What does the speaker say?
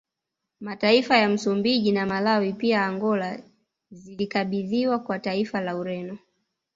Mataifa ya Msumbiji na Malawi pia Angola zilikabidhiwa kwa taifa la Ureno